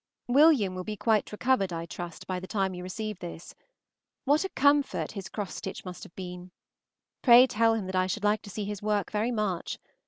William will be quite recovered, I trust, by the time you receive this. What a comfort his cross stitch must have been! Pray tell him that I should like to see his work very much.